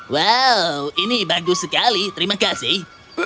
wow ini bagus sekali terima kasih